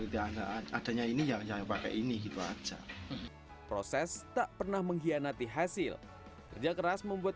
tidak adanya ini yang saya pakai ini gitu aja proses tak pernah mengkhianati hasil kerja keras membuat